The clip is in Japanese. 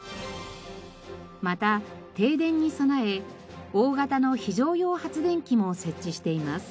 また停電に備え大型の非常用発電機も設置しています。